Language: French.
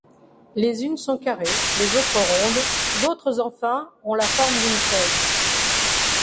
Les unes sont carrées, les autres rondes, d'autres enfin, ont la forme d'une feuille.